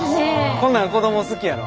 こんなん子供好きやろ？